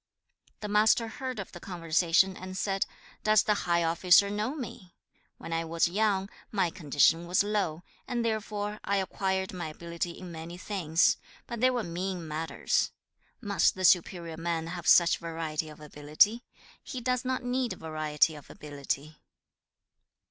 3. The Master heard of the conversation and said, 'Does the high officer know me? When I was young, my condition was low, and therefore I acquired my ability in many things, but they were mean matters. Must the superior man have such variety of ability? He does not need variety of ability.'